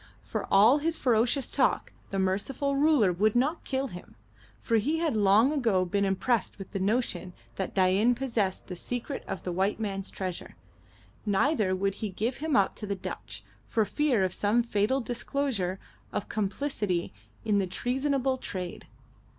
For all his ferocious talk, the merciful ruler would not kill him, for he had long ago been impressed with the notion that Dain possessed the secret of the white man's treasure; neither would he give him up to the Dutch, for fear of some fatal disclosure of complicity in the treasonable trade.